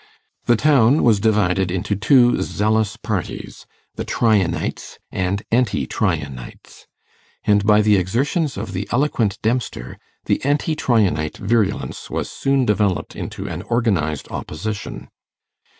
The town was divided into two zealous parties, the Tryanites and anti Tryanites; and by the exertions of the eloquent Dempster, the anti Tryanite virulence was soon developed into an organized opposition.